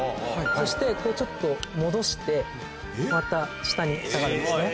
そしてちょっと戻してまた下に下がりましたね。